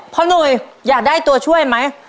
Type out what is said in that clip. หนุ่ยอยากได้ตัวช่วยไหม